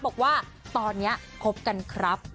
บอกว่าตอนนี้คบกันครับ